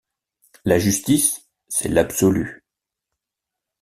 La justice, c’est l’absolu.